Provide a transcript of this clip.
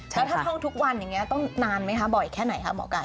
แล้วถ้าเข้าทุกวันอย่างนี้ต้องนานไหมคะบ่อยแค่ไหนคะหมอไก่